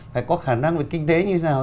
phải có khả năng về kinh tế như thế nào